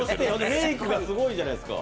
メイクがすごいじゃないですか。